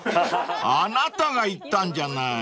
［あなたが言ったんじゃない］